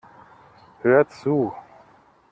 Hör zu!